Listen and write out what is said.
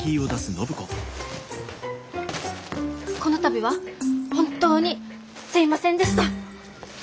この度は本当にすいませんでした。